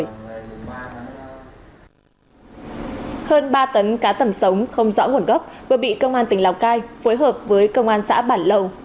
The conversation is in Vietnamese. hơn ba tấn cá tẩm sống không rõ nguồn gốc vừa bị công an tỉnh lào cai phối hợp với công an xã bản lầu